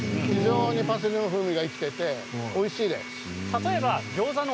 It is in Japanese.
パセリの風味がよく生きていておいしいです。